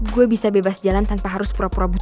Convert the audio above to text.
gue bisa bebas jalan tanpa harus pura pura pura